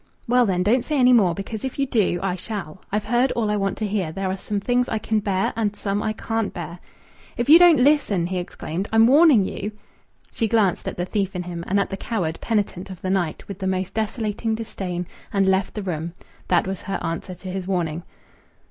"Well, then, don't say any more. Because if you do, I shall. I've heard all I want to hear. There are some things I can bear, and some I can't bear." "If you don't listen !" he exclaimed. "I'm warning you!" She glanced at the thief in him, and at the coward penitent of the night, with the most desolating disdain, and left the room. That was her answer to his warning.